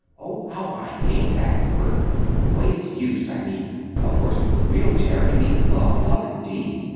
"Oh, how I hate that word—the way it's used, I mean. Of course, the real charity means love. Love, indeed!